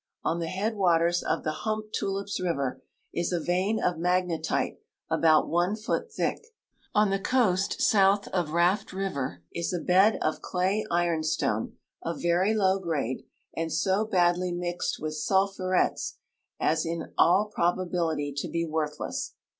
On the headAvaters of the Ilumptulips river is a vein of magnetite al)out one foot thick. On the coast south of Raft river is a bed of clay ironstone of very loAV grade and so badl}^ mixed Avith sulphurets as in all proba bility to be Avorthle.ss.